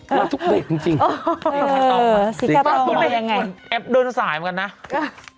เราทุกเบรกจริงจริงเออเออเออสีกาตองไปยังไงแอบโดนสายเหมือนกันนะอ่า